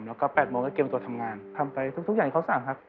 แล้วก็๘โมงก็เตรียมตัวทำงานทำไปทุกอย่างเขาสั่งครับ